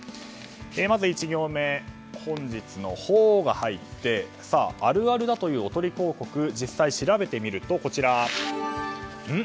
まず１行目本日の「ホ」が入ってあるあるだというおとり広告実際調べてみるとん？